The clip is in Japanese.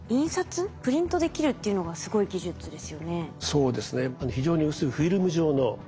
そうですね。